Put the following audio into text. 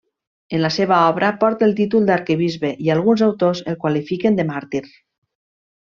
En la seva obra porta el títol d'arquebisbe i alguns autors el qualifiquen de màrtir.